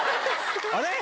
あれ？